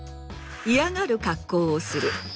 嫌がる格好をする。